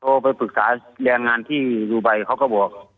ไปปรึกษาแรงงานที่ดูไบเขาก็บอก